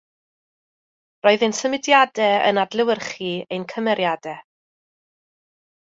Roedd ein symudiadau yn adlewyrchu ein cymeriadau